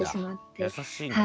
優しいんだね。